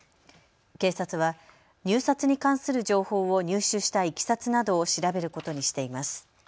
警察は入札に関する情報を入手したいきさつなどを調べることにしています。